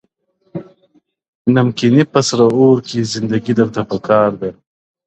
نمکيني په سره اور کي، زندگي درته په کار ده~~